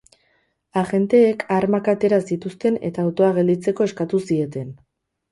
Agenteek armak atera zituzten eta autoa gelditzeko eskatu zieten.